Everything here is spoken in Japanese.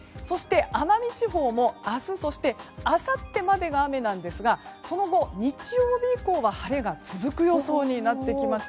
奄美地方も明日、そしてあさってまでが雨なんですがその後、日曜日以降は晴れが続く予想になってきました。